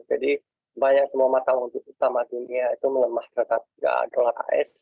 jadi banyak semua masalah untuk utama dunia itu melemah terhadap dolar as